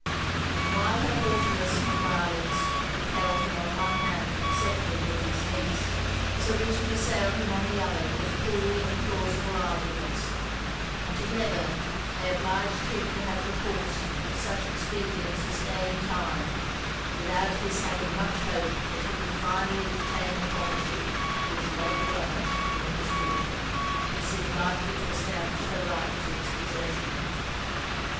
And while her haughtiness and violence withheld him on one hand from settling with his niece, Sir Richard assailed him on the other with cool and plausible arguments; and together they obliged him to have recourse to such expedients as gained time, without his having much hope that he could finally detain the property of his late brother from his daughter, who seemed likely to establish her right to it's possession.